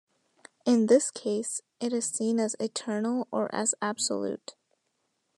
In this case, it is seen as eternal or as absolute.